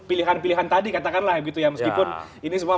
pilihan pilihan tadi katakanlah gitu ya meskipun ini semua masalah yang terjadi